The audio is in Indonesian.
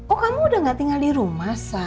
oh kamu udah gak tinggal di rumah